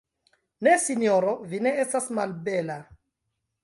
Ne, sinjoro, vi ne estas malbela.